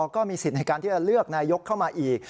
ก็มีสิทธิ์ในการที่จะเลือกนายกเข้ามาอีก